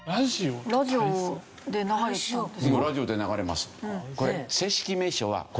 ラジオで流れます。